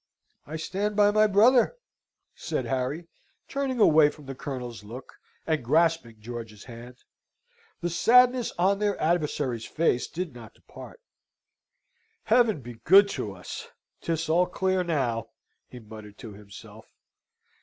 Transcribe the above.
"I stand by my brother," said Harry, turning away from the Colonel's look, and grasping George's hand. The sadness on their adversary's face did not depart. "Heaven be good to us! 'Tis all clear now," he muttered to himself.